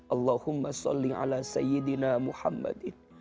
allahumma salli ala sayyidina muhammadin